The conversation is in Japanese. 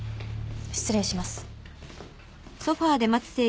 失礼します。